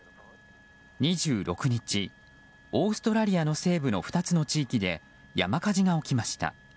２６日、オーストラリアの西部の２つの地域で山火事が起きました。